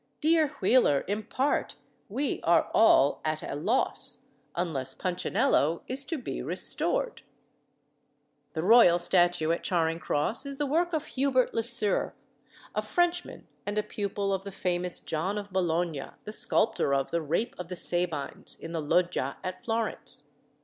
Dear Wheeler, impart wee are all att a loss, Unless Punchinello is to be restored." The royal statue at Charing Cross is the work of Hubert Le Sœur, a Frenchman and a pupil of the famous John of Bologna, the sculptor of the "Rape of the Sabines" in the Loggia at Florence.